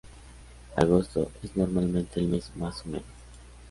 Agosto es normalmente el mes más húmedo.